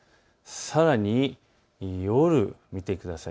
さらに夜を見てください。